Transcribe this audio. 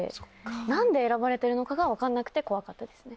何で選ばれてるのかが分からなくて怖かったですね。